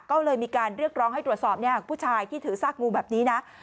ก็เลยมีการเรียกร้องให้ตรวจสอบผู้ชายที่ถือซากงูแบบนี้นะ